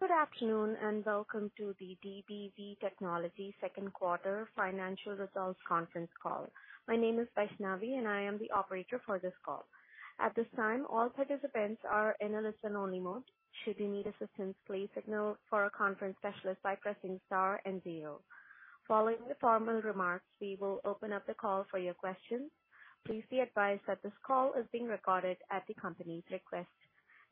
Good afternoon, and welcome to the DBV Technologies second quarter financial results conference call. My name is Vaishnavi, and I am the operator for this call. At this time, all participants are in a listen-only mode. Should you need assistance, please signal for a conference specialist by pressing star and zero. Following the formal remarks, we will open up the call for your questions. Please be advised that this call is being recorded at the company's request.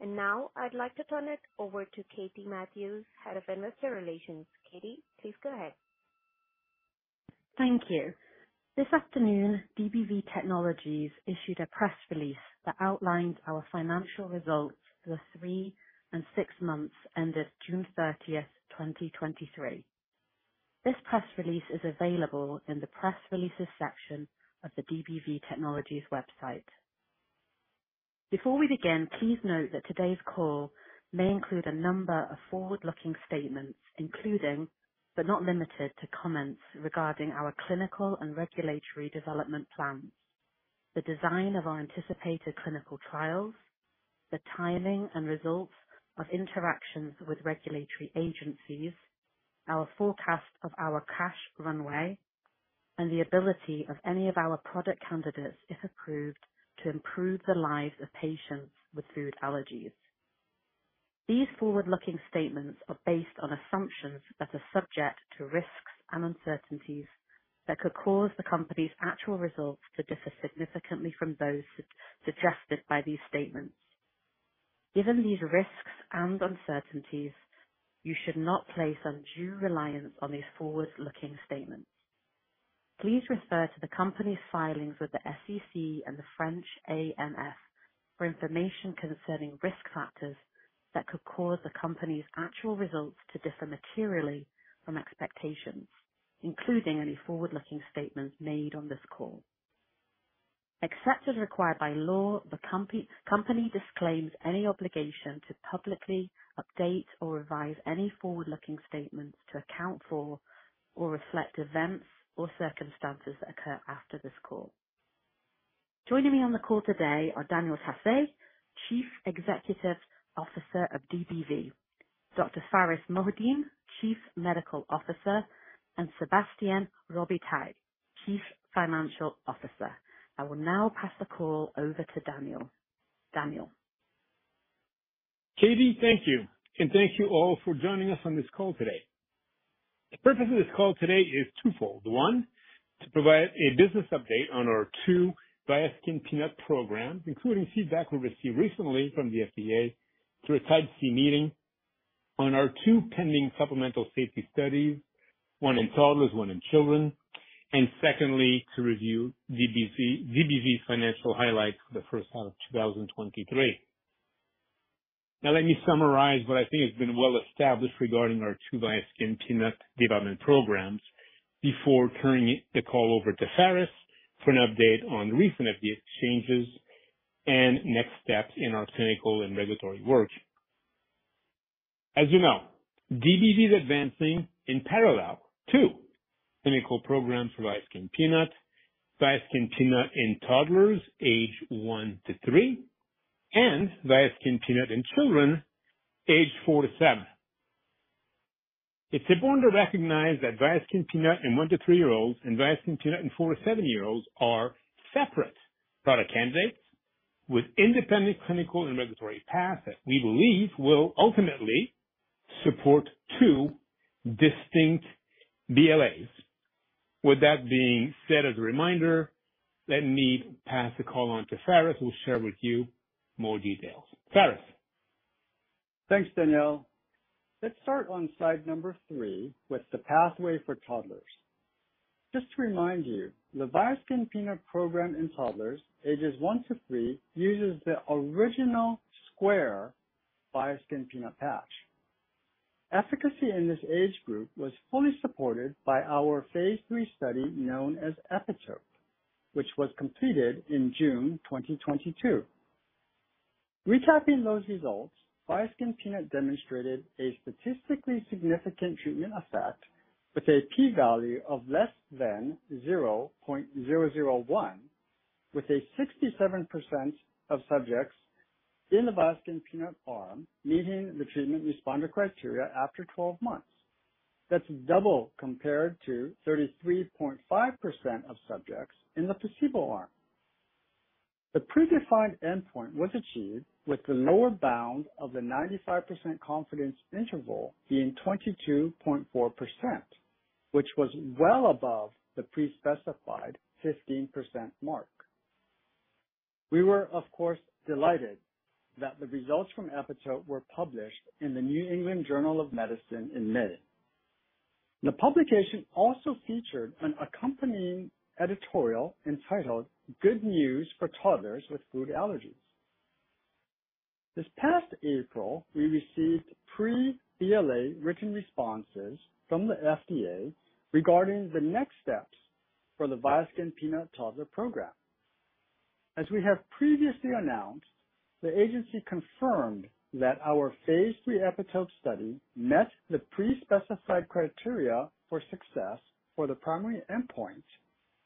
Now, I'd like to turn it over to Katie Matthews, Head of Investor Relations. Katie, please go ahead. Thank you. This afternoon, DBV Technologies issued a press release that outlined our financial results for the three and six months ended June 30th, 2023. This press release is available in the press releases section of the DBV Technologies website. Before we begin, please note that today's call may include a number of forward-looking statements, including, but not limited to, comments regarding our clinical and regulatory development plans, the design of our anticipated clinical trials, the timing and results of interactions with regulatory agencies, our forecast of our cash runway, and the ability of any of our product candidates, if approved, to improve the lives of patients with food allergies. These forward-looking statements are based on assumptions that are subject to risks and uncertainties that could cause the company's actual results to differ significantly from those suggested by these statements. Given these risks and uncertainties, you should not place undue reliance on these forward-looking statements. Please refer to the company's filings with the SEC and the French AMF for information concerning risk factors that could cause the company's actual results to differ materially from expectations, including any forward-looking statements made on this call. Except as required by law, the company disclaims any obligation to publicly update or revise any forward-looking statements to account for or reflect events or circumstances that occur after this call. Joining me on the call today are Daniel Tassé, Chief Executive Officer of DBV, Dr. Pharis Mohideen, Chief Medical Officer, and Sébastien Robitaille, Chief Financial Officer. I will now pass the call over to Daniel. Daniel? Katie, thank you. Thank you all for joining us on this call today. The purpose of this call today is twofold. One, to provide a business update on our two Viaskin Peanut programs, including feedback we received recently from the FDA through a Type C meeting on our two pending supplemental safety studies, one in toddlers, one in children. Secondly, to review DBV's financial highlights for the first half of 2023. Now, let me summarize what I think has been well established regarding our two Viaskin Peanut development programs before turning the call over to Pharis for an update on recent FDA exchanges and next steps in our clinical and regulatory work. As you know, DBV is advancing in parallel two clinical programs for Viaskin Peanut, Viaskin Peanut in toddlers age one to three, and Viaskin Peanut in children age four to seven. It's important to recognize that Viaskin Peanut in 1 to 3 year olds and Viaskin Peanut in 4 to 7 year-olds are separate product candidates with independent clinical and regulatory paths that we believe will ultimately support two distinct BLAs. With that being said, as a reminder, let me pass the call on to Pharis, who'll share with you more details. Pharis? Thanks, Daniel. Let's start on slide number 3 with the pathway for toddlers. Just to remind you, the Viaskin Peanut program in toddlers ages 1 to 3 uses the original square Viaskin Peanut patch. Efficacy in this age group was fully supported by our phase III study, known as EPITOPE, which was completed in June 2022. Recapping those results, Viaskin Peanut demonstrated a statistically significant treatment effect with a p-value of less than 0.001, with 67% of subjects in the Viaskin Peanut arm meeting the treatment responder criteria after 12 months. That's double compared to 33.5% of subjects in the placebo arm. The predefined endpoint was achieved with the lower bound of the 95% confidence interval being 22.4%, which was well above the pre-specified 15% mark. We were, of course, delighted that the results from EPITOPE were published in the New England Journal of Medicine in May. The publication also featured an accompanying editorial entitled: Good News for Toddlers with Food Allergies. This past April, we received Pre-BLA written responses from the FDA regarding the next steps for the Viaskin Peanut toddler program. As we have previously announced, the agency confirmed that our phase III EPITOPE study met the pre-specified criteria for success for the primary endpoint....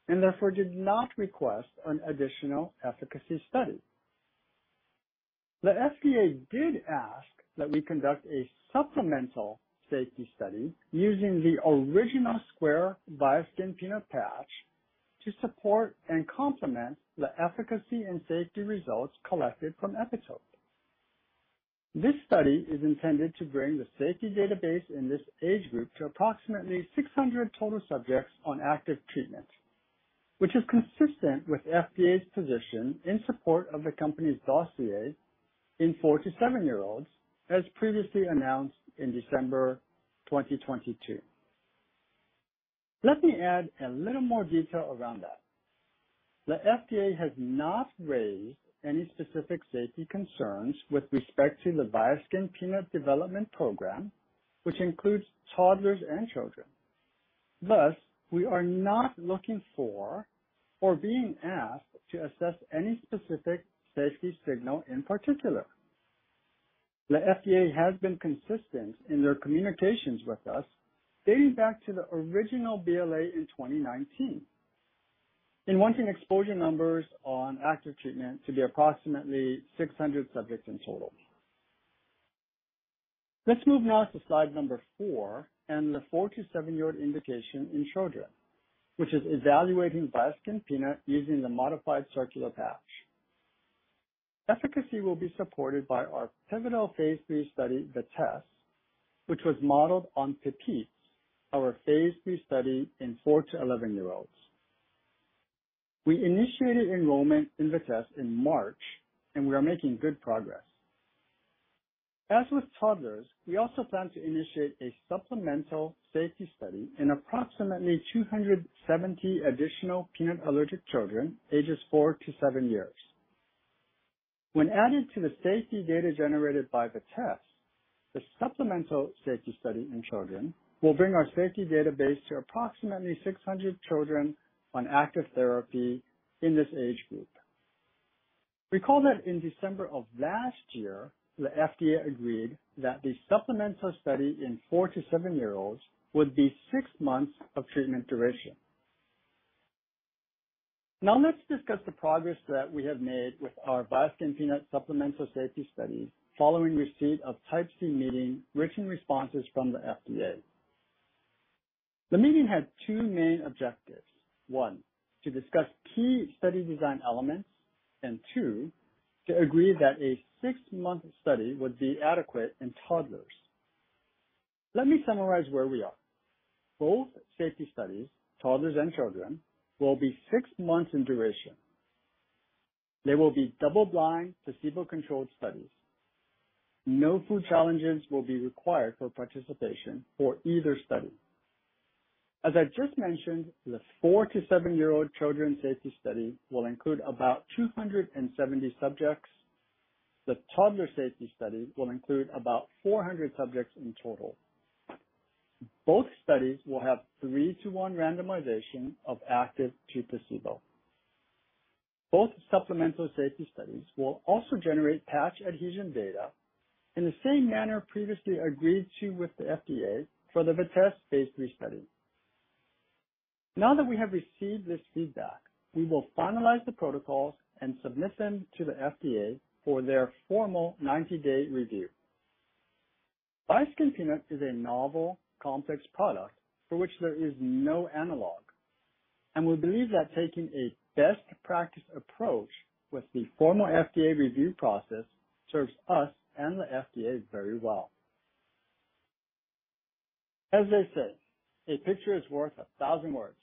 and therefore did not request an additional efficacy study. The FDA did ask that we conduct a supplemental safety study using the original square Viaskin Peanut patch to support and complement the efficacy and safety results collected from EPITOPE. This study is intended to bring the safety database in this age group to approximately 600 total subjects on active treatment, which is consistent with FDA's position in support of the company's dossier in 4 to 7-year-olds, as previously announced in December 2022. Let me add a little more detail around that. The FDA has not raised any specific safety concerns with respect to the Viaskin Peanut development program, which includes toddlers and children. Thus, we are not looking for or being asked to assess any specific safety signal in particular. The FDA has been consistent in their communications with us, dating back to the original BLA in 2019, in wanting exposure numbers on active treatment to be approximately 600 subjects in total. Let's move now to slide number 4 and the 4 to 7 year-old indication in children, which is evaluating Viaskin Peanut using the modified circular patch. Efficacy will be supported by our pivotal phase III study, the test, which was modeled on PEPITES, our phase III study in 4 to 11 year-olds. We initiated enrollment in the test in March. We are making good progress. As with toddlers, we also plan to initiate a supplemental safety study in approximately 270 additional peanut-allergic children, ages 4 to 7 years. When added to the safety data generated by the test, the supplemental safety study in children will bring our safety database to approximately 600 children on active therapy in this age group. Recall that in December of last year, the FDA agreed that the supplemental study in 4 to 7 year-olds would be 6 months of treatment duration. Now let's discuss the progress that we have made with our Viaskin Peanut supplemental safety study following receipt of Type C meeting written responses from the FDA. The meeting had two main objectives. One, to discuss key study design elements, and two, to agree that a six-month study would be adequate in toddlers. Let me summarize where we are. Both safety studies, toddlers and children, will be six months in duration. They will be double-blind, placebo-controlled studies. No food challenges will be required for participation for either study. As I just mentioned, the four to seven-year-old children safety study will include about 270 subjects. The toddler safety study will include about 400 subjects in total. Both studies will have 3 to 1 randomization of active to placebo. Both supplemental safety studies will also generate patch adhesion data in the same manner previously agreed to with the FDA for the VITESSE Phase 3 study. Now that we have received this feedback, we will finalize the protocols and submit them to the FDA for their formal 90-day review. Viaskin Peanut is a novel, complex product for which there is no analog, and we believe that taking a best practice approach with the formal FDA review process serves us and the FDA very well. As they say, a picture is worth 1,000 words,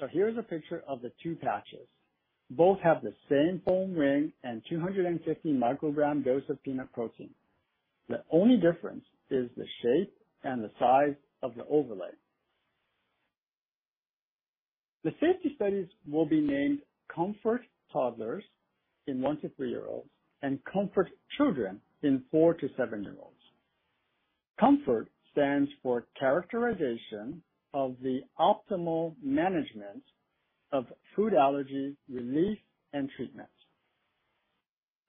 so here is a picture of the 2 patches. Both have the same foam ring and 250 microgram dose of peanut protein. The only difference is the shape and the size of the overlay. The safety studies will be named COMFORT Toddlers in 1 to 3-year-olds and COMFORT Children in 4 to 7 year-olds. COMFORT stands for Characterization of the Optimal Management of Food Allergy Relief and Treatment.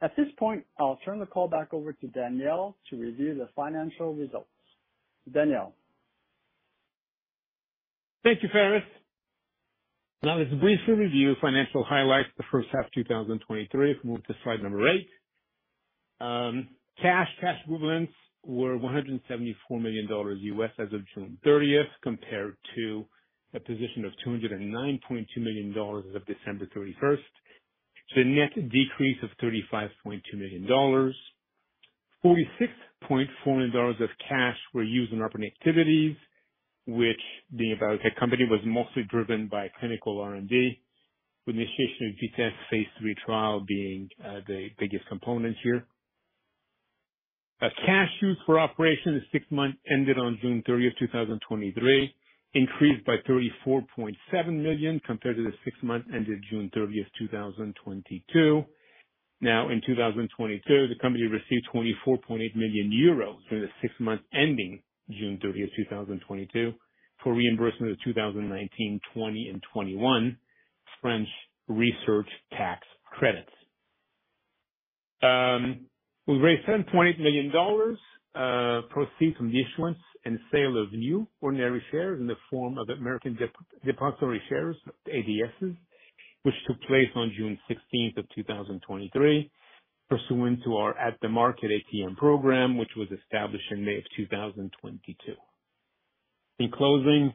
At this point, I'll turn the call back over to Daniel to review the financial results. Daniel? Thank you, Pharis. Let's briefly review financial highlights for the first half of 2023. If we move to slide number 8, cash, cash equivalents were $174 million as of June 30th, compared to a position of $209.2 million as of December 31st. A net decrease of $35.2 million. $46.4 million of cash were used in operating activities, which being a biotech company, was mostly driven by clinical R&D, with the initiation of VITESSE phase III trial being the biggest component here. As cash used for operations, the six months ended on June 30th, 2023, increased by $34.7 million compared to the six months ended June 30th, 2022. In 2022, the company received 24.8 million euros for the 6 months ending June 30, 2022, for reimbursement of 2019, 2020, and 2021 French Research Tax Credit. We raised $10.8 million proceeds from the issuance and sale of new ordinary shares in the form of American Depositary Shares, ADSs, which took place on June 16, 2023, pursuant to our at the market ATM program, which was established in May 2022. In closing,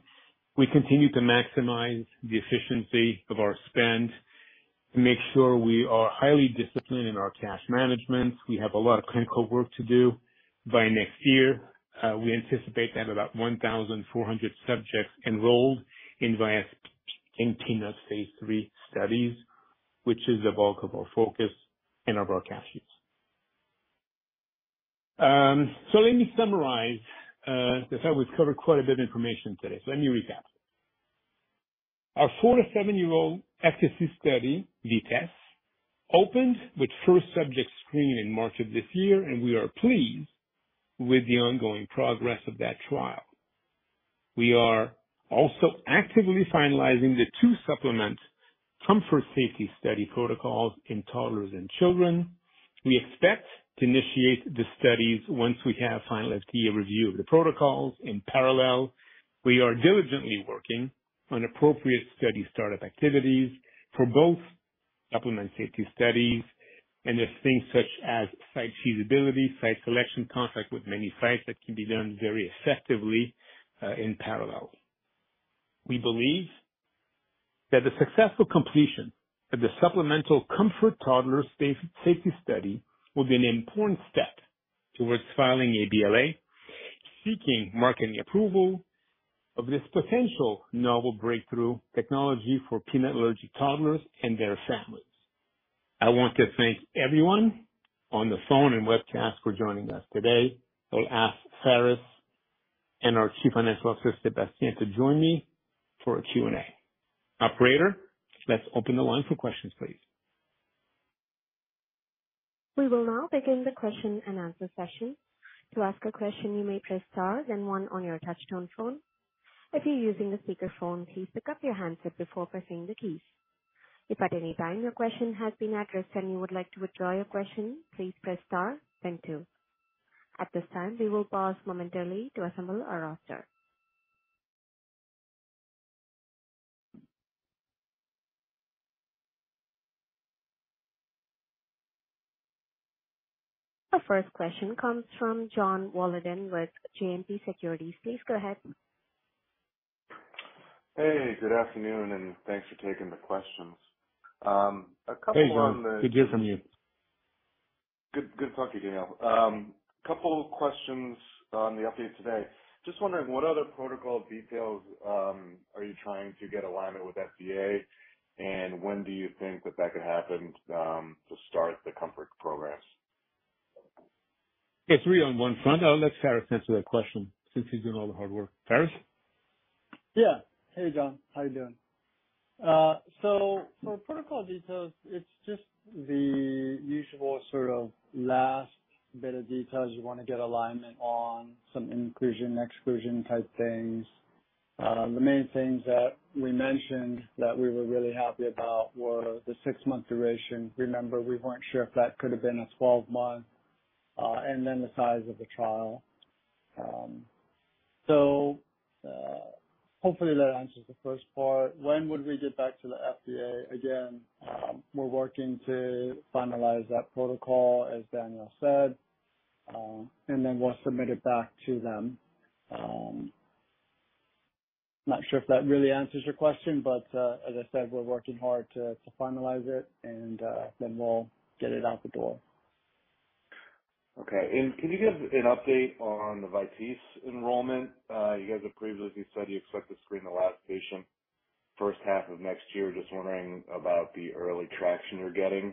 we continue to maximize the efficiency of our spend to make sure we are highly disciplined in our cash management. We have a lot of clinical work to do. By next year, we anticipate to have about 1,400 subjects enrolled in Viaskin Peanut phase III studies, which is the bulk of our focus and of our cash use. Let me summarize, because I know we've covered quite a bit of information today. Let me recap. Our 4 to 7 year-old FCC study, VITESSE, opened with first subject screening in March of this year, and we are pleased with the ongoing progress of that trial. We are also actively finalizing the two supplement COMFORT safety study protocols in toddlers and children. We expect to initiate the studies once we have final FDA review of the protocols. In parallel, we are diligently working on appropriate study startup activities for both supplemental safety studies and the things such as site feasibility, site selection, contract with many sites that can be done very effectively, in parallel. We believe that the successful completion of the supplemental COMFORT Toddlers Safety Study will be an important step towards filing a BLA, seeking marketing approval of this potential novel breakthrough technology for peanut allergy toddlers and their families. I want to thank everyone on the phone and webcast for joining us today. I'll ask Pharis and our Chief Financial Officer, Sébastien Robitaille, to join me for a Q&A. Operator, let's open the line for questions, please. We will now begin the question and answer session. To ask a question, you may press star then one on your touchtone phone. If you're using a speakerphone, please pick up your handset before pressing the keys. If at any time your question has been addressed and you would like to withdraw your question, please press star then two. At this time, we will pause momentarily to assemble our roster. Our first question comes from Jon Wolleben with Citizens JMP. Please go ahead. Hey, good afternoon, thanks for taking the questions. A couple on the- Hey, Jon, good to hear from you. Good, good talking to you, Daniel. Couple questions on the update today. Just wondering, what other protocol details are you trying to get alignment with FDA? When do you think that that could happen to start the COMFORT programs? It's three on one front. I'll let Pharis answer that question since he's doing all the hard work. Pharis? Yeah. Hey, Jon, how you doing? For protocol details, it's just the usual sort of last bit of details. You want to get alignment on some inclusion, exclusion type things. The main things that we mentioned that we were really happy about were the 6-month duration. Remember, we weren't sure if that could have been a 12-month, and then the size of the trial. Hopefully that answers the first part. When would we get back to the FDA? Again, we're working to finalize that protocol, as Daniel Tassé said, and then we'll submit it back to them. Not sure if that really answers your question, as I said, we're working hard to, to finalize it and then we'll get it out the door. Okay. Can you give an update on the VITESSE enrollment? You guys have previously said you expect to screen the last patient first half of next year. Just wondering about the early traction you're getting.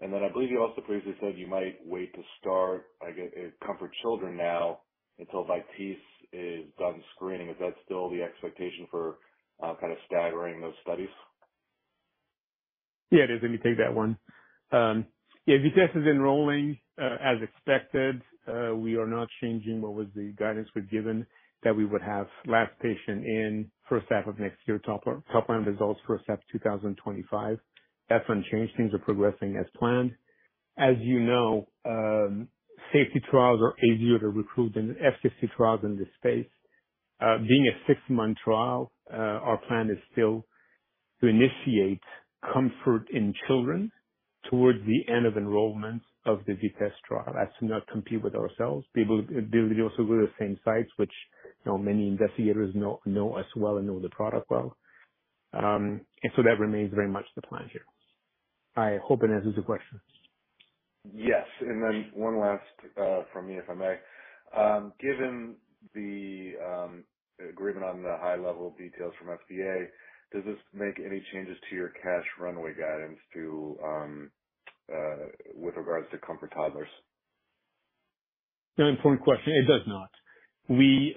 I believe you also previously said you might wait to start, I guess, COMFORT Children now, until VITESSE is done screening. Is that still the expectation for kind of staggering those studies? Yeah, it is. Let me take that one. Yeah, VITESSE is enrolling as expected. We are not changing what was the guidance we'd given, that we would have last patient in first half of next year, top-line, top-line results, first half 2025. That's unchanged. Things are progressing as planned. As you know, safety trials are easier to recruit than FCC trials in this space. Being a six-month trial, our plan is still to initiate COMFORT Children towards the end of enrollment of the VITESSE trial. As to not compete with ourselves, be able to do it also with the same sites, which, you know, many investigators know, know us well and know the product well. So that remains very much the plan here. I hope it answers your question. Yes. One last, from me, if I may. Given the agreement on the high level details from FDA, does this make any changes to your cash runway guidance to, with regards to COMFORT Toddlers? An important question. It does not. We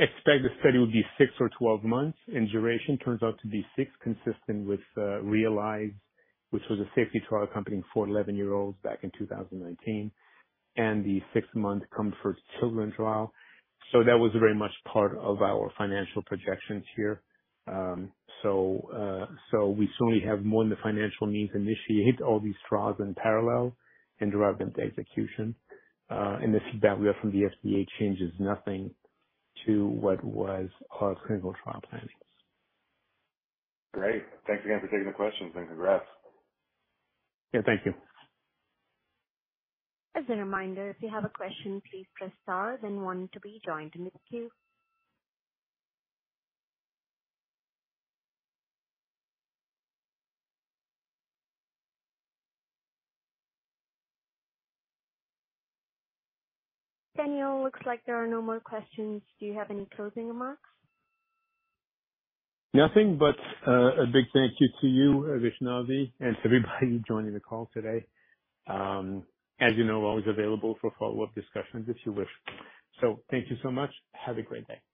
expect the study will be six or 12 months, and duration turns out to be six, consistent with REALiZE, which was a safety trial accompanying four to 11-year-olds back in 2019, and the six-month COMFORT Children trial. That was very much part of our financial projections here. We certainly have more than the financial means to initiate all these trials in parallel and drive them to execution. The feedback we have from the FDA changes nothing to what was our clinical trial planning. Great. Thanks again for taking the questions, and congrats. Yeah. Thank you. As a reminder, if you have a question, please press star then one to be joined in the queue. Daniel, looks like there are no more questions. Do you have any closing remarks? Nothing but, a big thank you to you, Vaishnavi, and to everybody joining the call today. As you know, always available for follow-up discussions if you wish. Thank you so much. Have a great day.